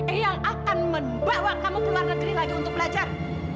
eh yang akan membawa kamu ke luar negeri lagi untuk belajar